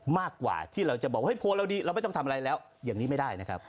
มากกว่าที่เราจะบอกว่าเฮลเราดีเราไม่ต้องทำอะไรแล้วอย่างนี้ไม่ได้นะครับ